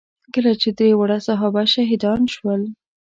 کله چې درې واړه صحابه شهیدان شول.